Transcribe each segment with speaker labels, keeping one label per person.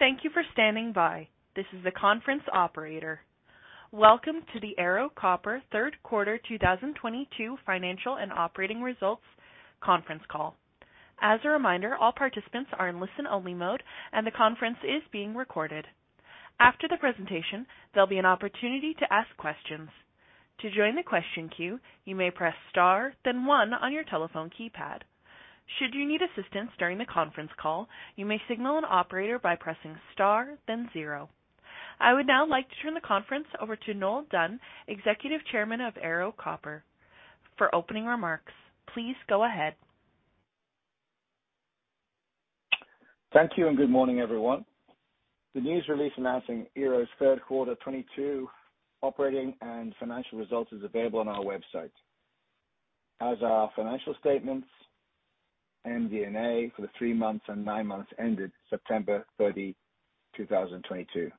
Speaker 1: Thank you for standing by. This is the conference operator. Welcome to the Ero Copper Q3 2022 financial and operating results conference call. As a reminder, all participants are in listen-only mode, and the conference is being recorded. After the presentation, there'll be an opportunity to ask questions. To join the question queue, you may press star, then one on your telephone keypad. Should you need assistance during the conference call, you may signal an operator by pressing star, then zero. I would now like to turn the conference over to Noel Dunn, Executive Chairman of Ero Copper. For opening remarks, please go ahead.
Speaker 2: Thank you, and good morning, everyone. The news release announcing Ero's Q3 2022 operating and financial results is available on our website, as are our financial statements and MD&A for the three months and nine months ended September 30, 2022.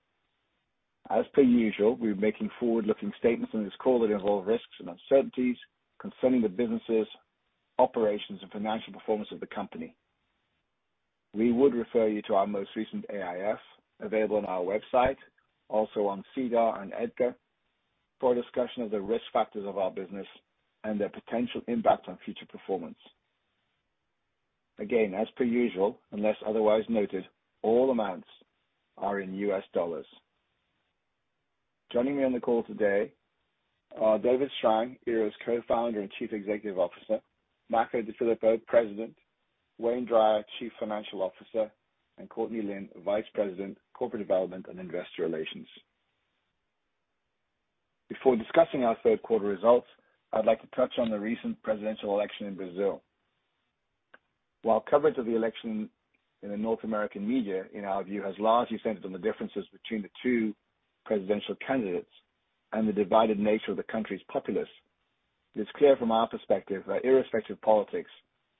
Speaker 2: As per usual, we're making forward-looking statements on this call that involve risks and uncertainties concerning the businesses, operations, and financial performance of the company. We would refer you to our most recent AIF available on our website, also on SEDAR and EDGAR, for a discussion of the risk factors of our business and their potential impact on future performance. Again, as per usual, unless otherwise noted, all amounts are in U.S. dollars. Joining me on the call today are David Strang, Ero's Co-founder and Chief Executive Officer, Makko DeFilippo, President, Wayne Drier, Chief Financial Officer, and Courtney Lynn, Vice President, Corporate Development and Investor Relations. Before discussing our Q3 results, I'd like to touch on the recent presidential election in Brazil. While coverage of the election in the North American media, in our view, has largely centered on the differences between the two presidential candidates and the divided nature of the country's populace, it's clear from our perspective that irrespective of politics,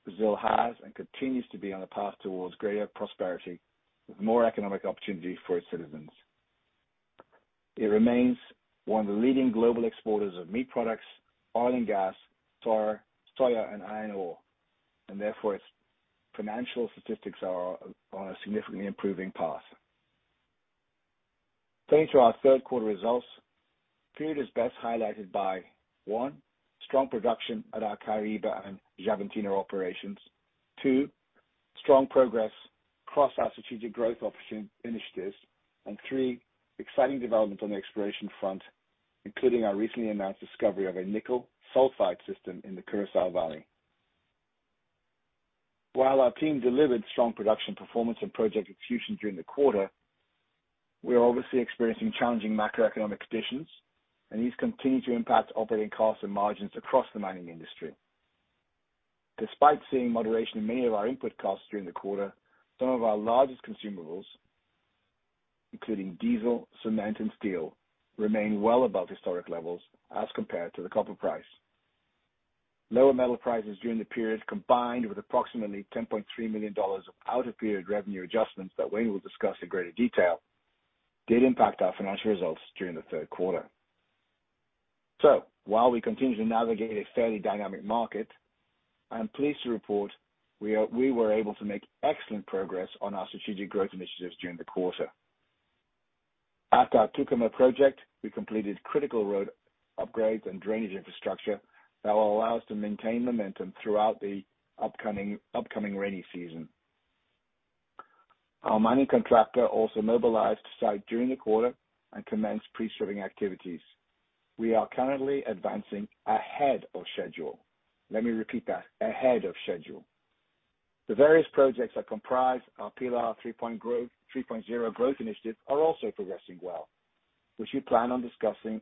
Speaker 2: Brazil has and continues to be on a path towards greater prosperity with more economic opportunity for its citizens. It remains one of the leading global exporters of meat products, oil and gas, tar, soya, and iron ore, and therefore, its financial statistics are on a significantly improving path. Turning to our Q3 results, the period is best highlighted by one, strong production at our Caraíba and Xavantina operations. Two, strong progress across our strategic growth initiatives. Three, exciting development on the exploration front, including our recently announced discovery of a nickel sulfide system in the Curaçá Valley. While our team delivered strong production performance and project execution during the quarter, we are obviously experiencing challenging macroeconomic conditions, and these continue to impact operating costs and margins across the mining industry. Despite seeing moderation in many of our input costs during the quarter, some of our largest consumables, including diesel, cement, and steel, remain well above historic levels as compared to the copper price. Lower metal prices during the period, combined with approximately $10.3 million of out-of-period revenue adjustments that Wayne will discuss in greater detail, did impact our financial results during the Q3. While we continue to navigate a fairly dynamic market, I am pleased to report we were able to make excellent progress on our strategic growth initiatives during the quarter. At our Tucumã project, we completed critical road upgrades and drainage infrastructure that will allow us to maintain momentum throughout the upcoming rainy season. Our mining contractor also mobilized on site during the quarter and commenced pre-stripping activities. We are currently advancing ahead of schedule. Let me repeat that. Ahead of schedule. The various projects that comprise our Pilar 3.0 growth initiative are also progressing well, which we plan on discussing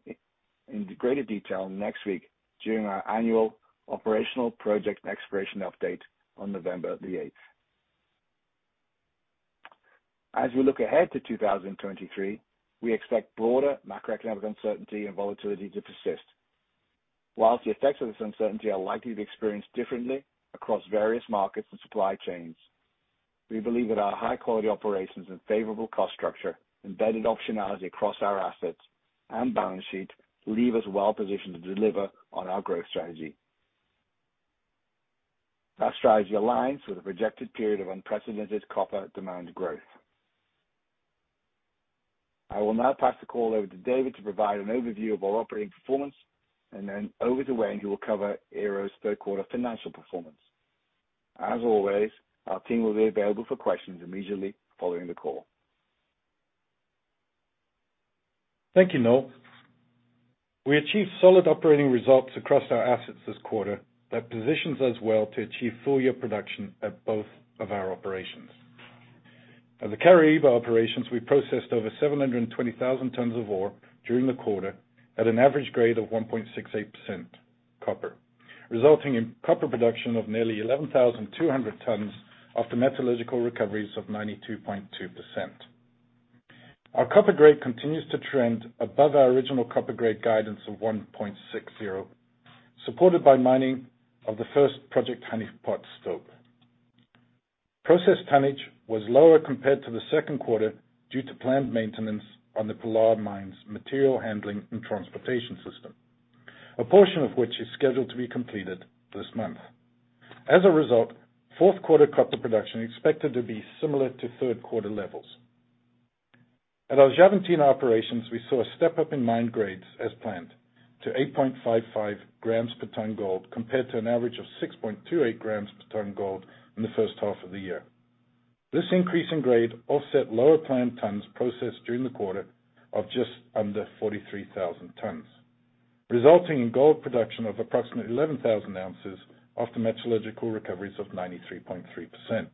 Speaker 2: in greater detail next week during our annual operational project exploration update on November 8. As we look ahead to 2023, we expect broader macroeconomic uncertainty and volatility to persist. While the effects of this uncertainty are likely to be experienced differently across various markets and supply chains, we believe that our high-quality operations and favorable cost structure, embedded optionality across our assets and balance sheet leave us well positioned to deliver on our growth strategy. That strategy aligns with a projected period of unprecedented copper demand growth. I will now pass the call over to David to provide an overview of our operating performance and then over to Wayne, who will cover Ero's Q3 financial performance. As always, our team will be available for questions immediately following the call.
Speaker 3: Thank you, Noel. We achieved solid operating results across our assets this quarter that positions us well to achieve full year production at both of our operations. At the Caraíba operations, we processed over 720,000 tons of ore during the quarter at an average grade of 1.68% copper, resulting in copper production of nearly 11,200 tons and metallurgical recoveries of 92.2%. Our copper grade continues to trend above our original copper grade guidance of 1.60, supported by mining of the first Project Honeypot stope. Process tonnage was lower compared to the Q2 due to planned maintenance on the Pilar Mine's material handling and transportation system. A portion of which is scheduled to be completed this month. As a result, Q4 copper production is expected to be similar to Q3 levels. At our Xavantina operations, we saw a step up in mine grades as planned to 8.55 grams per ton gold compared to an average of 6.28 grams per ton gold in the H1 of the year. This increase in grade offset lower planned tons processed during the quarter of just under 43,000 tons, resulting in gold production of approximately 11,000 ounces after metallurgical recoveries of 93.3%.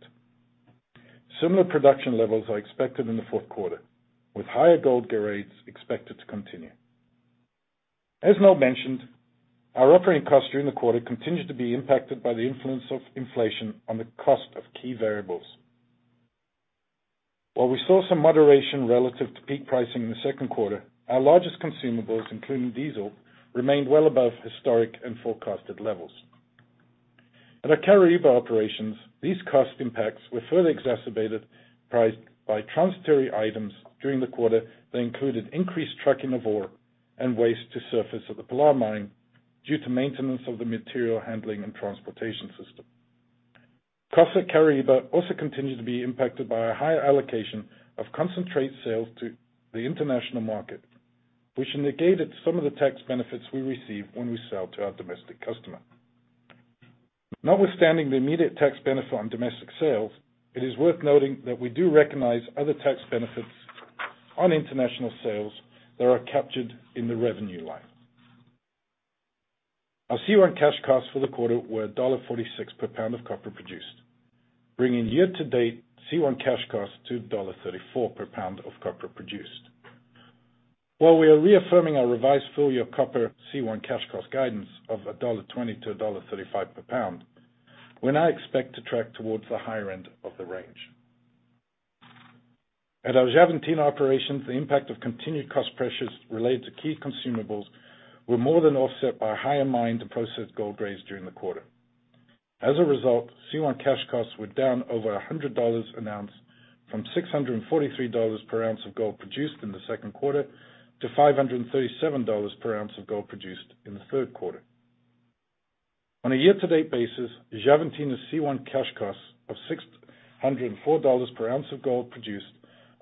Speaker 3: Similar production levels are expected in the Q4, with higher gold grades expected to continue. As Noel mentioned, our operating costs during the quarter continued to be impacted by the influence of inflation on the cost of key variables. While we saw some moderation relative to peak pricing in the Q2, our largest consumables, including diesel, remained well above historic and forecasted levels. At our Caraíba operations, these cost impacts were further exacerbated by transitory items during the quarter that included increased trucking of ore and waste to the surface of the Pilar Mine due to maintenance of the material handling and transportation system. Costs at Caraíba also continued to be impacted by a higher allocation of concentrate sales to the international market, which negated some of the tax benefits we receive when we sell to our domestic customer. Notwithstanding the immediate tax benefit on domestic sales, it is worth noting that we do recognize other tax benefits on international sales that are captured in the revenue line. Our C1 cash costs for the quarter were $46 per pound of copper produced, bringing year-to-date C1 cash costs to $34 per pound of copper produced. While we are reaffirming our revised full-year copper C1 cash cost guidance of $1.20-$1.35 per pound, we now expect to track towards the higher end of the range. At our Xavantina operations, the impact of continued cost pressures related to key consumables were more than offset by higher mine to process gold grades during the quarter. As a result, C1 cash costs were down over $100 an ounce from $643 per ounce of gold produced in the Q2 to $537 per ounce of gold produced in the Q3. On a year-to-date basis, Xavantina C1 cash costs of $604 per ounce of gold produced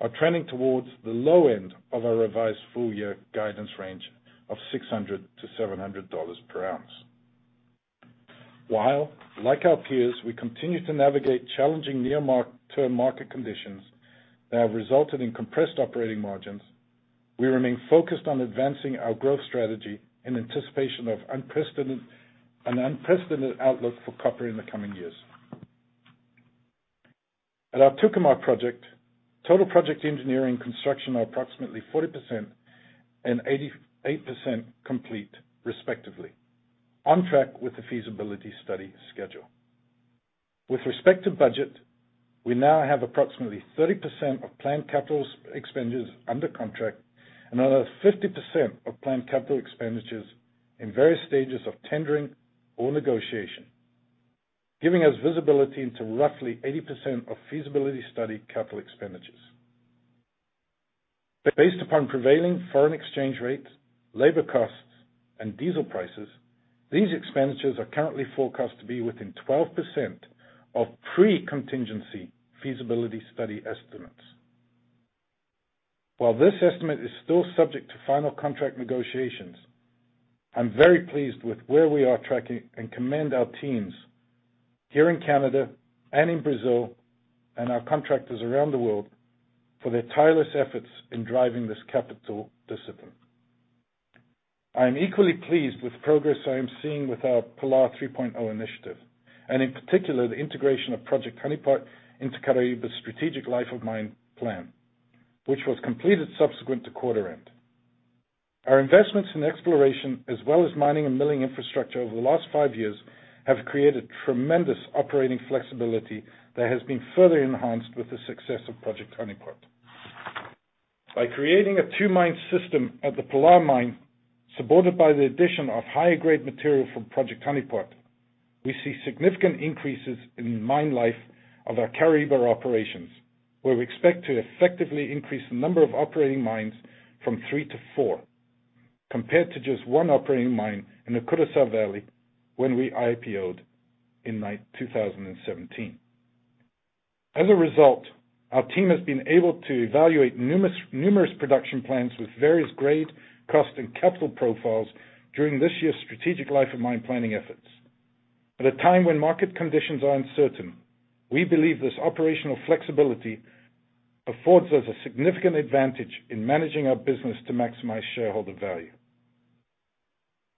Speaker 3: are trending towards the low end of our revised full-year guidance range of $600-$700 per ounce. While, like our peers, we continue to navigate challenging near-term market conditions that have resulted in compressed operating margins, we remain focused on advancing our growth strategy in anticipation of an unprecedented outlook for copper in the coming years. At our Tucumã project, total project engineering and construction are approximately 40% and 88% complete respectively, on track with the feasibility study schedule. With respect to budget, we now have approximately 30% of planned capital expenditures under contract and another 50% of planned capital expenditures in various stages of tendering or negotiation, giving us visibility into roughly 80% of feasibility study capital expenditures. Based upon prevailing foreign exchange rates, labor costs, and diesel prices, these expenditures are currently forecast to be within 12% of pre-contingency feasibility study estimates. While this estimate is still subject to final contract negotiations, I'm very pleased with where we are tracking and commend our teams here in Canada and in Brazil and our contractors around the world for their tireless efforts in driving this capital discipline. I am equally pleased with progress I am seeing with our Pilar 3.0 initiative, and in particular, the integration of Project Honeypot into Caraíba's strategic life of mine plan, which was completed subsequent to quarter end. Our investments in exploration as well as mining and milling infrastructure over the last five years have created tremendous operating flexibility that has been further enhanced with the success of Project Honeypot. By creating a two-mine system at the Pilar Mine, supported by the addition of higher grade material from Project Honeypot, we see significant increases in mine life of our Caraíba Operations, where we expect to effectively increase the number of operating mines from three to four, compared to just one operating mine in the Curaçá Valley when we IPO'd in 2017. As a result, our team has been able to evaluate numerous production plans with various grade, cost, and capital profiles during this year's strategic life of mine planning efforts. At a time when market conditions are uncertain, we believe this operational flexibility affords us a significant advantage in managing our business to maximize shareholder value.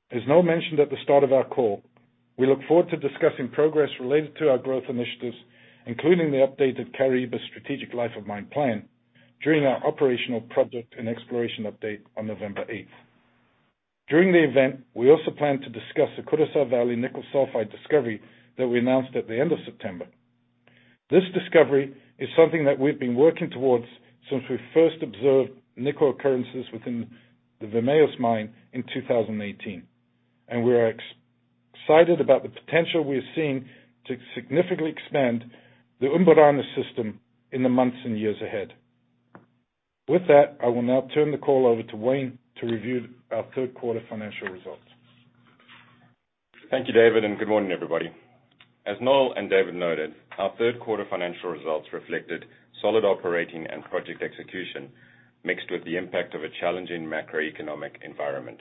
Speaker 3: As Noel mentioned at the start of our call, we look forward to discussing progress related to our growth initiatives, including the updated Caraíba strategic life of mine plan during our operational project and exploration update on November eighth. During the event, we also plan to discuss the Curaçá Valley nickel sulfide discovery that we announced at the end of September. This discovery is something that we've been working towards since we first observed nickel occurrences within the Vermelhos mine in 2018, and we are excited about the potential we are seeing to significantly expand the Umburana system in the months and years ahead. With that, I will now turn the call over to Wayne to review our Q3 financial results.
Speaker 4: Thank you, David, and good morning, everybody. As Noel and David noted, our Q3 financial results reflected solid operating and project execution, mixed with the impact of a challenging macroeconomic environment.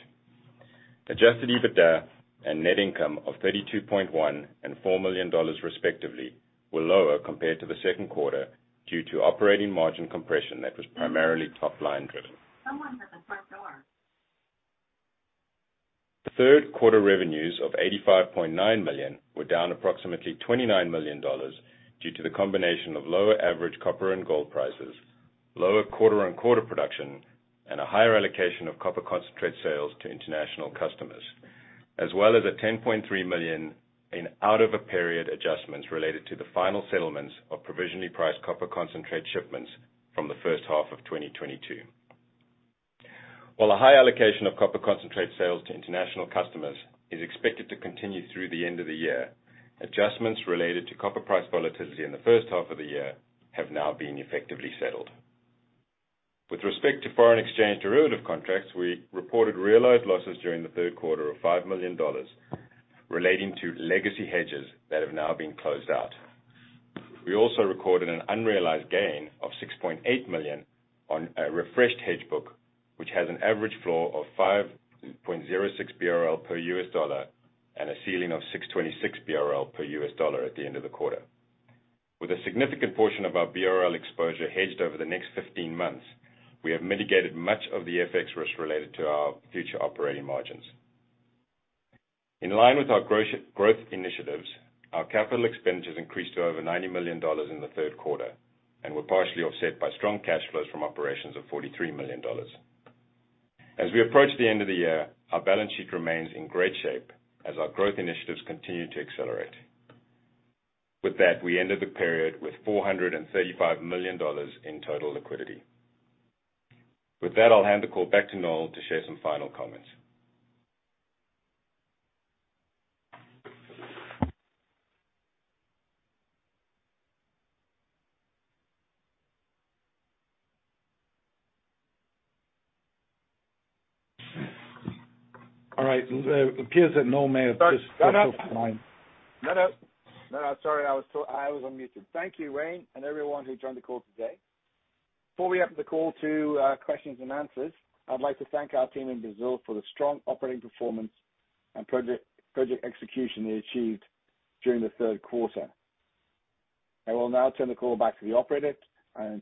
Speaker 4: Adjusted EBITDA and net income of $32.1 million and $4 million, respectively, were lower compared to the Q2 due to operating margin compression that was primarily top-line driven. Q3 revenues of $85.9 million were down approximately $29 million due to the combination of lower average copper and gold prices, lower quarter-over-quarter production, and a higher allocation of copper concentrate sales to international customers, as well as $10.3 million in out-of-period adjustments related to the final settlements of provisionally priced copper concentrate shipments from the H1 of 2022. While a high allocation of copper concentrate sales to international customers is expected to continue through the end of the year, adjustments related to copper price volatility in the H1 of the year have now been effectively settled. With respect to foreign exchange derivative contracts, we reported realized losses during the Q3 of $5 million relating to legacy hedges that have now been closed out. We also recorded an unrealized gain of $6.8 million on a refreshed hedge book, which has an average floor of 5.06 BRL per U.S. Dollar and a ceiling of 6.26 BRL per U.S. Dollar at the end of the quarter. With a significant portion of our BRL exposure hedged over the next 15 months, we have mitigated much of the FX risk related to our future operating margins. In line with our growth initiatives, our capital expenditures increased to over $90 million in the Q2 and were partially offset by strong cash flows from operations of $43 million. As we approach the end of the year, our balance sheet remains in great shape as our growth initiatives continue to accelerate. With that, we ended the period with $435 million in total liquidity. With that, I'll hand the call back to Noel to share some final comments.
Speaker 3: All right. It appears that Noel may have just.
Speaker 2: Sorry, I was on mute. Thank you, Wayne, and everyone who joined the call today. Before we open the call to questions and answers, I'd like to thank our team in Brazil for the strong operating performance and project execution they achieved during the Q3. I will now turn the call back to the operator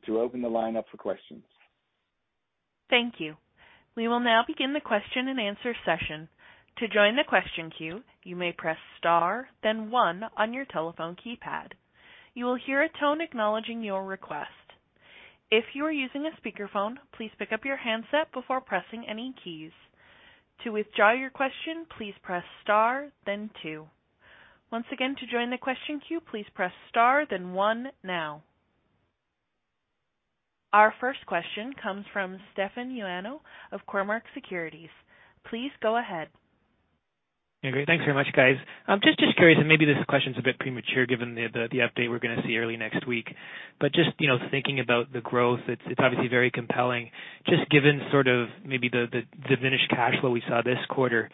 Speaker 2: to open the line up for questions.
Speaker 1: Thank you. We will now begin the question and answer session. To join the question queue, you may press star then one on your telephone keypad. You will hear a tone acknowledging your request. If you are using a speakerphone, please pick up your handset before pressing any keys. To withdraw your question, please press star then two. Once again, to join the question queue, please press star then one now. Our first question comes from Stefan Ioannou of Cormark Securities. Please go ahead.
Speaker 5: Yeah, great. Thanks very much, guys. Just curious, and maybe this question's a bit premature given the update we're gonna see early next week. Just thinking about the growth, it's obviously very compelling. Just given sort of maybe the diminished cash flow we saw this quarter,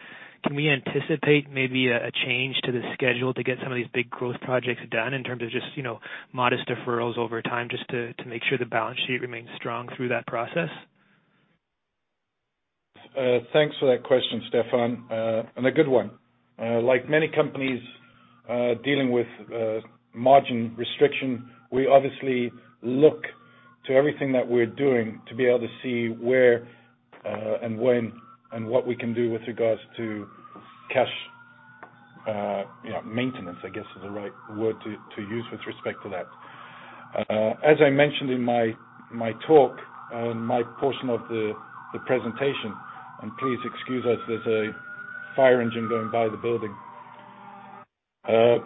Speaker 5: can we anticipate maybe a change to the schedule to get some of these big growth projects done in terms of just modest deferrals over time just to make sure the balance sheet remains strong through that process?
Speaker 3: Thanks for that question, Stefan, and a good one. Like many companies dealing with margin restriction, we obviously look to everything that we're doing to be able to see where and when and what we can do with regards to cash maintenance, I guess is the right word to use with respect to that. As I mentioned in my talk and my portion of the presentation, and please excuse us, there's a fire engine going by the building. Honeypot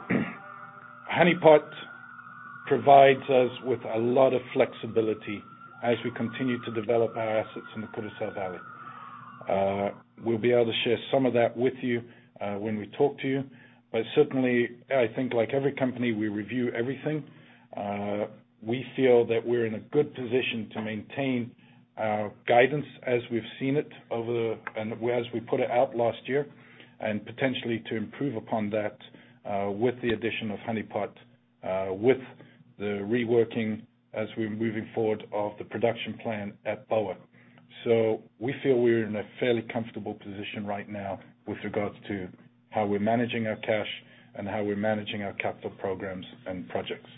Speaker 3: provides us with a lot of flexibility as we continue to develop our assets in the Curaçá Valley. We'll be able to share some of that with you when we talk to you. Certainly, I think like every company, we review everything. We feel that we're in a good position to maintain our guidance as we've seen it and as we put it out last year, and potentially to improve upon that, with the addition of Honeypot, with the reworking as we're moving forward of the production plan at Boa. We feel we're in a fairly comfortable position right now with regards to how we're managing our cash and how we're managing our capital programs and projects.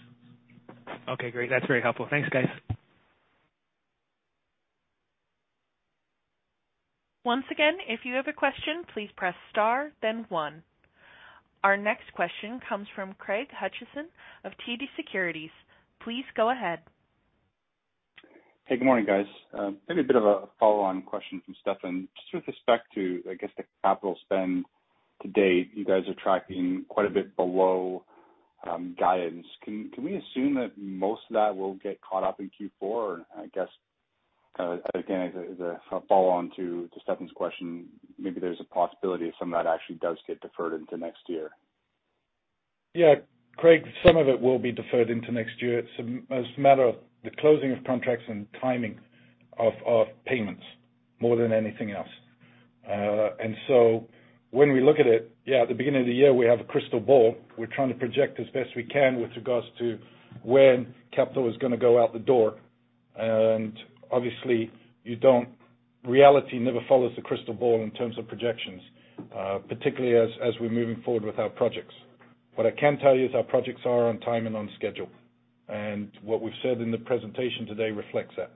Speaker 5: Okay, great. That's very helpful. Thanks, guys.
Speaker 1: Once again, if you have a question, please press star then one. Our next question comes from Craig Hutchison of TD Securities. Please go ahead.
Speaker 6: Hey, good morning, guys. Maybe a bit of a follow-on question from Stefan. Just with respect to, I guess, the capital spend to date, you guys are tracking quite a bit below guidance. Can we assume that most of that will get caught up in Q4? I guess, again, as a follow-on to Stefan's question, maybe there's a possibility some of that actually does get deferred into next year.
Speaker 3: Yeah, Craig, some of it will be deferred into next year. It's a matter of the closing of contracts and timing of payments more than anything else. When we look at it, yeah, at the beginning of the year, we have a crystal ball. We're trying to project as best we can with regards to when capital is gonna go out the door. Reality never follows the crystal ball in terms of projections, particularly as we're moving forward with our projects. What I can tell you is our projects are on time and on schedule. What we've said in the presentation today reflects that.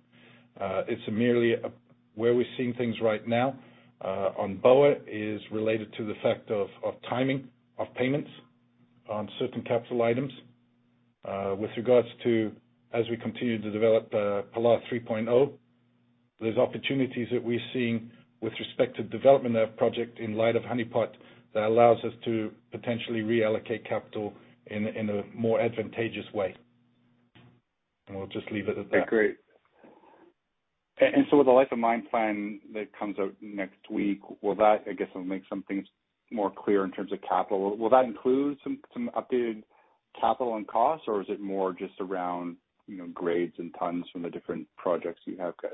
Speaker 3: Where we're seeing things right now on Boa is related to the timing of payments on certain capital items. With regards to, as we continue to develop Pilar 3.0, there's opportunities that we're seeing with respect to development of that project in light of Honeypot that allows us to potentially reallocate capital in a more advantageous way. We'll just leave it at that.
Speaker 6: Okay, great. With the life of mine plan that comes out next week, will that, I guess, will make some things more clear in terms of capital? Will that include some updated capital and costs? Or is it more just around grades and tons from the different projects you have, Chris?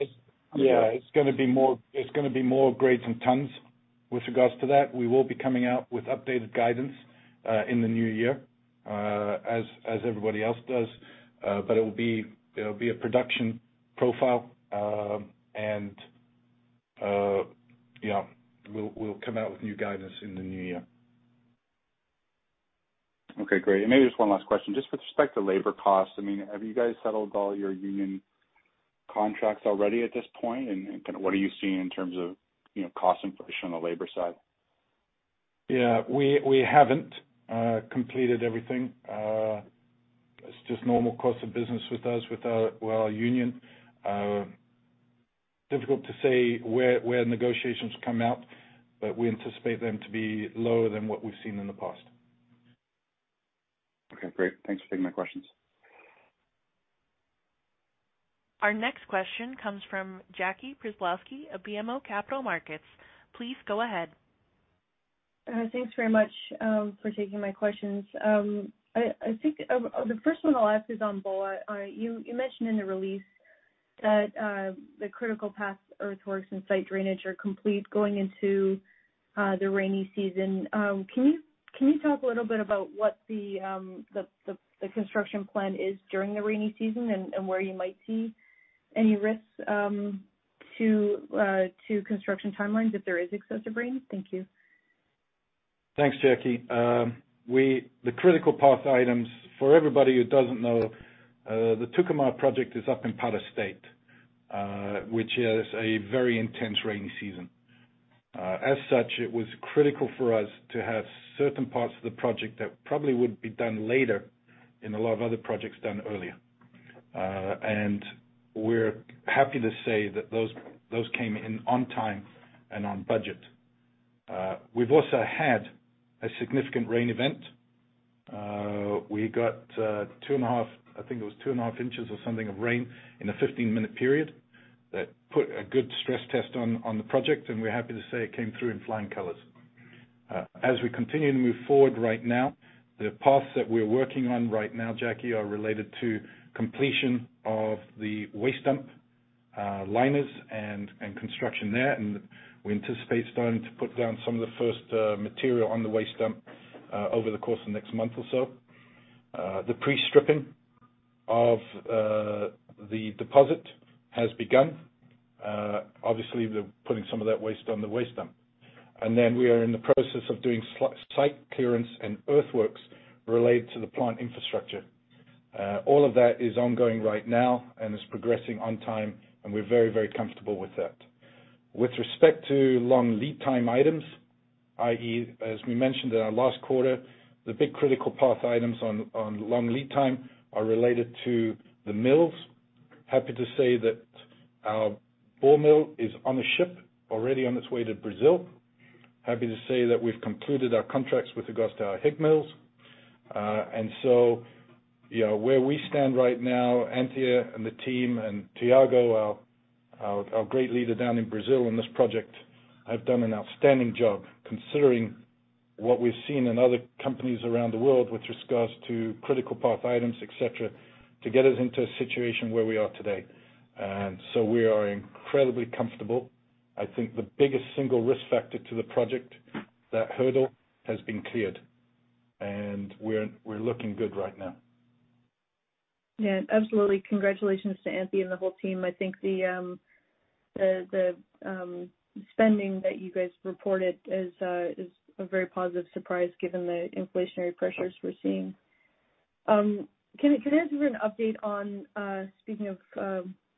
Speaker 3: Yeah, it's gonna be more grades and tons with regards to that. We will be coming out with updated guidance in the new year, as everybody else does. It'll be a production profile. Yeah, we'll come out with new guidance in the new year.
Speaker 6: Okay, great. Maybe just one last question. Just with respect to labor costs, I mean, have you guys settled all your union contracts already at this point? And kinda what are you seeing in terms of cost inflation on the labor side?
Speaker 3: Yeah. We haven't completed everything. It's just normal course of business with us with our, well, union. Difficult to say where negotiations come out, but we anticipate them to be lower than what we've seen in the past.
Speaker 6: Okay, great. Thanks for taking my questions.
Speaker 1: Our next question comes from Jackie Przybylowski of BMO Capital Markets. Please go ahead.
Speaker 7: Thanks very much for taking my questions. I think the first one I'll ask is on Boa. You mentioned in the release that the critical path earthworks and site drainage are complete going into the rainy season. Can you talk a little bit about what the construction plan is during the rainy season and where you might see any risks to construction timelines if there is excessive rain? Thank you.
Speaker 3: Thanks, Jackie. The critical path items for everybody who doesn't know, the Tucumã project is up in Pará State, which has a very intense rainy season. As such, it was critical for us to have certain parts of the project that probably would be done later in a lot of other projects done earlier. We're happy to say that those came in on time and on budget. We've also had a significant rain event. We got 2.5, I think it was 2.5 inches or something of rain in a 15-minute period. That put a good stress test on the project, and we're happy to say it came through in flying colors. As we continue to move forward right now, the paths that we're working on right now, Jackie, are related to completion of the waste dump, liners and construction there. We anticipate starting to put down some of the first material on the waste dump over the course of the next month or so. The pre-stripping of the deposit has begun. Obviously, we're putting some of that waste on the waste dump. Then we are in the process of doing site clearance and earthworks related to the plant infrastructure. All of that is ongoing right now and is progressing on time, and we're very, very comfortable with that. With respect to long lead time items, i.e., as we mentioned in our last quarter, the big critical path items on long lead time are related to the mills. Happy to say that our ball mill is on a ship already on its way to Brazil. Happy to say that we've concluded our contracts with regards to our HPGR mills. Where we stand right now, Antia and the team and Thiago, our great leader down in Brazil on this project, have done an outstanding job, considering what we've seen in other companies around the world with regards to critical path items, et cetera, to get us into a situation where we are today. We are incredibly comfortable. I think the biggest single risk factor to the project, that hurdle has been cleared, and we're looking good right now.
Speaker 7: Yeah, absolutely. Congratulations to Antia and the whole team. I think the spending that you guys reported is a very positive surprise given the inflationary pressures we're seeing. Can I ask you for an update on speaking of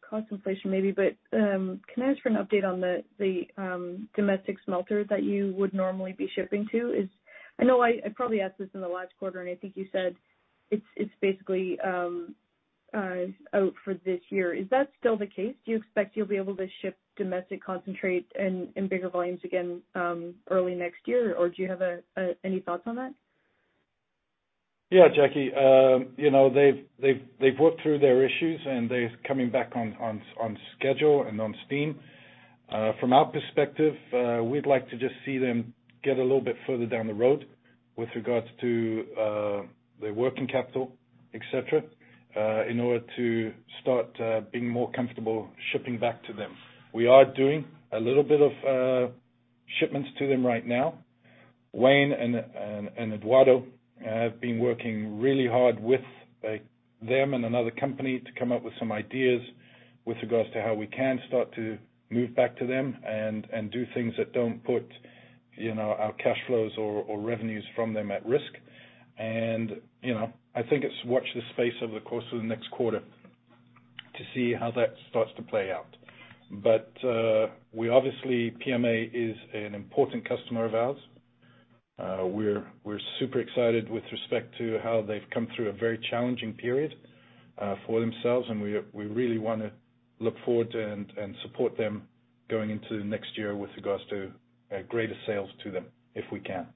Speaker 7: cost inflation maybe, but can I ask for an update on the domestic smelter that you would normally be shipping to? I know I probably asked this in the last quarter, and I think you said it's basically out for this year. Is that still the case? Do you expect you'll be able to ship domestic concentrate and in bigger volumes again early next year? Or do you have any thoughts on that?
Speaker 3: Yeah, Jackie. They've worked through their issues, and they're coming back on schedule and on steam. From our perspective, we'd like to just see them get a little bit further down the road with regards to their working capital, et cetera, in order to start being more comfortable shipping back to them. We are doing a little bit of shipments to them right now. Wayne Drier and Eduardo have been working really hard with them and another company to come up with some ideas with regards to how we can start to move back to them and do things that don't put our cash flows or revenues from them at risk. I think it's watch this space over the course of the next quarter to see how that starts to play out. We obviously, Paranapanema is an important customer of ours. We're super excited with respect to how they've come through a very challenging period for themselves, and we really wanna look forward and support them going into next year with regards to greater sales to them if we can.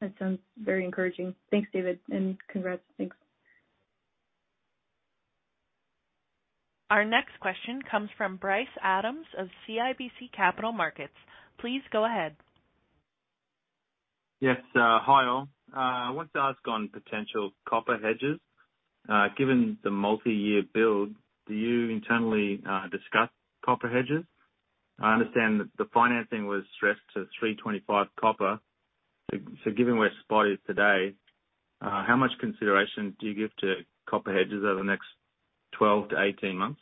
Speaker 2: That sounds very encouraging. Thanks, David, and congrats. Thanks.
Speaker 1: Our next question comes from Bryce Adams of CIBC Capital Markets. Please go ahead.
Speaker 8: Yes, hi all. I wanted to ask on potential copper hedges. Given the multiyear build, do you internally discuss copper hedges? I understand that the financing was stressed to $3.25 copper. Given where spot is today, how much consideration do you give to copper hedges over the next 12-18 months?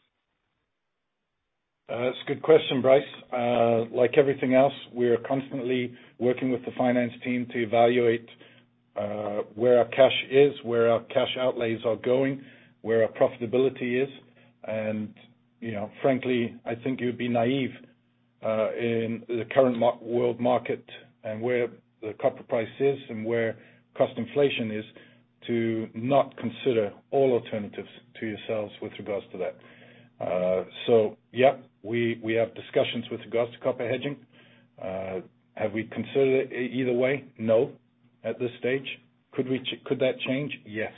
Speaker 3: That's a good question, Bryce. Like everything else, we are constantly working with the finance team to evaluate where our cash is, where our cash outlays are going, where our profitability is. Frankly, I think you'd be naive in the current world market and where the copper price is and where cost inflation is to not consider all alternatives to yourselves with regards to that. Yep, we have discussions with regards to copper hedging. Have we considered it either way? No, at this stage. Could that change? Yes.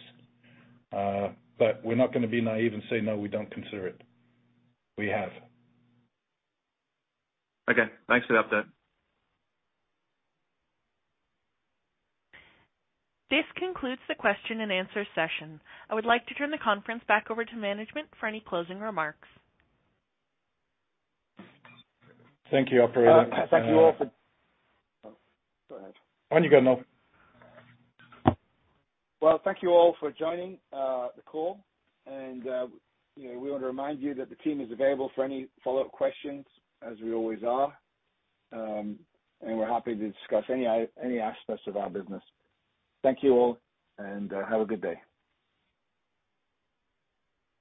Speaker 3: But we're not gonna be naive and say, "No, we don't consider it." We have.
Speaker 8: Okay. Thanks for the update.
Speaker 1: This concludes the question and answer session. I would like to turn the conference back over to management for any closing remarks.
Speaker 3: Thank you, operator.
Speaker 2: Thank you all for... Go ahead.
Speaker 3: On you go, Noel.
Speaker 2: Well, thank you all for joining the call. We want to remind you that the team is available for any follow-up questions, as we always are. We're happy to discuss any aspects of our business. Thank you all, and have a good day.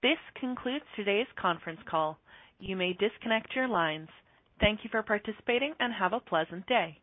Speaker 1: This concludes today's conference call. You may disconnect your lines. Thank you for participating, and have a pleasant day.